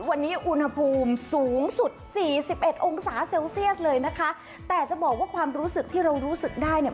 วันนี้อุณหภูมิสูงสุดสี่สิบเอ็ดองศาเซลเซียสเลยนะคะแต่จะบอกว่าความรู้สึกที่เรารู้สึกได้เนี่ย